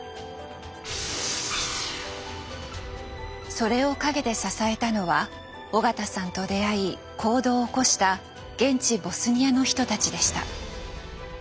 それを陰で支えたのは緒方さんと出会い行動を起こした現地ボスニアの人たちでした。